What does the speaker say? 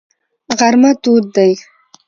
غرمه تود دی.